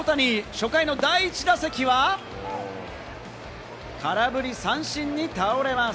初回の第１打席は空振り三振に倒れます。